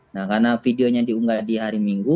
nah karena videonya diunggah di hari minggu